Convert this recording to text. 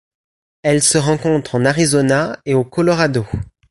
Elle se rencontre en Arizona et au Colorado.